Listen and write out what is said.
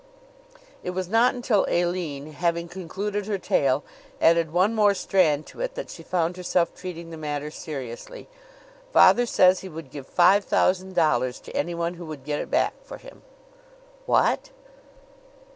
It was not until Aline, having concluded her tale, added one more strand to it that she found herself treating the matter seriously. "Father says he would give five thousand dollars to anyone who would get it back for him." "What!"